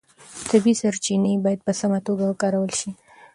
طبیعي سرچینې باید په سمه توګه وکارول شي.